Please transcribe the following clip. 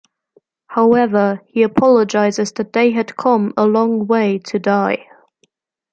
However, he apologizes that they had to come a long way to die.